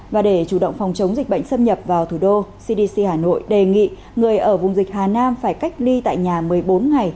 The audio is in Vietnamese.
và để chủ động phòng chống dịch bệnh xâm nhập vào thủ đô cdc hà nội đề nghị người ở vùng dịch hà nam phải cách ly tại nhà một mươi bốn ngày